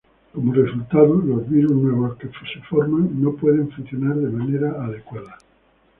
Como resultado, los virus nuevos que se forman no pueden funcionar de manera adecuada.